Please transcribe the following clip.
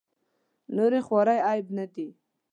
نورې خوارۍ عیب نه دي.